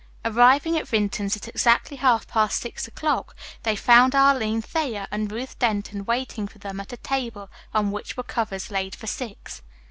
Arriving at Vinton's at exactly half past six o'clock, they found Arline Thayer and Ruth Denton waiting for them at a table on which were covers laid for six.